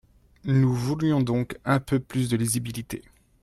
Nous voulions donc un peu plus de lisibilité.